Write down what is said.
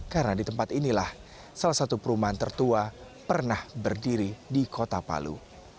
karena di tempat inilah salah satu perumahan tertua pernah berdiri di kota palu